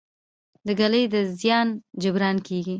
د ږلۍ د زیان جبران کیږي؟